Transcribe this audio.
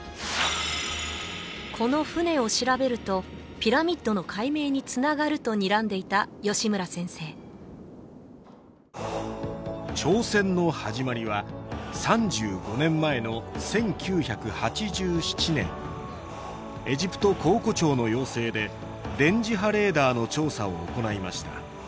この船を調べるとピラミッドの解明につながるとにらんでいた吉村先生挑戦の始まりは３５年前の１９８７年エジプト考古庁の要請で電磁波レーダーの調査を行いました